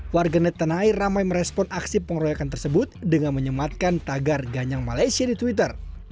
warganet tenai ramai merespon aksi pengoroyokan tersebut dengan menyematkan tagar ganyang malaysia di twitter